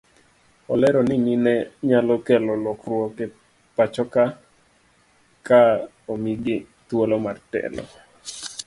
Olero ni mine nyalo kelo lokruok e pachoka ka omigi thuolo mar telo.